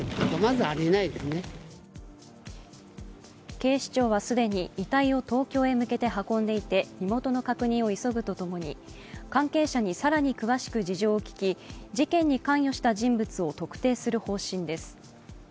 警視庁は既に遺体を東京へ向けて運んでいて、身元の確認を急ぐとともに関係者に更に詳しく事情を聴き、事件に関与した人物の特定を行う方針です。